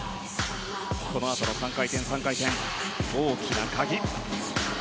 このあとの３回転、３回転大きな鍵。